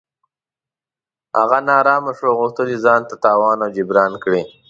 هغه نا ارامه شو او غوښتل یې چې تاوان جبران کړي.